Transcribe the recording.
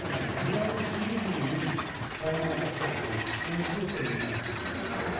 リアルすぎるのに台本を渡すと、演じようというね。